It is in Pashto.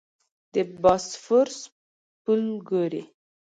د باسفورس پل ګورې.